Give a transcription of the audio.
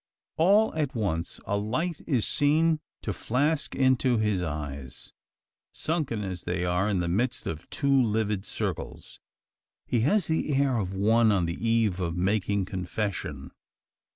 All at once a light is seen to flask into his eyes sunken as they are in the midst of two livid circles. He has the air of one on the eve of making confession.